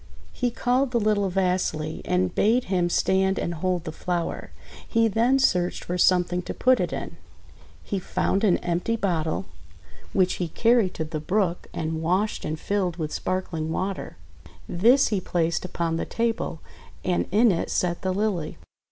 He called the little Vasily, and bade him stand and hold the flower. He then searched for some thing to put it in. He found an empty bottle, 34 THE WONDER GARDEN which he carried to the brook and washed and filled with sparkling water. This he placed upon the table, and in it set the Lily.